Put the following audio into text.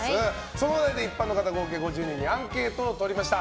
そのお題で一般の方合計５０人にアンケートを取りました。